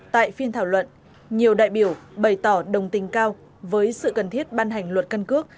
tại phiên thảo luận nhiều đại biểu bày tỏ đồng tình cao với sự cần thiết ban hành luật căn cước